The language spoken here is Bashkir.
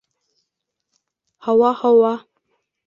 Һауа, һауа!